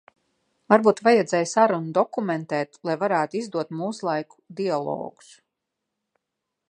Varbūt vajadzēja sarunu dokumentēt, lai varētu izdot mūslaiku dialogus.